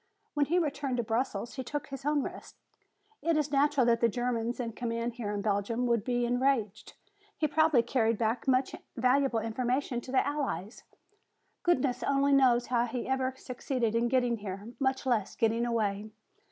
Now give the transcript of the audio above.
When he returned to Brussels he took his own risk. It is natural that the Germans in command here in Belgium should be enraged. He probably carried back much valuable information to the Allies. Goodness only knows how he ever succeeded in getting here, much less getting away!"